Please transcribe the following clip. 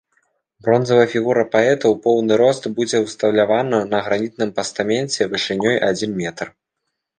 Бронзавая фігура паэта ў поўны рост будзе ўсталявана на гранітным пастаменце вышынёй адзін метр.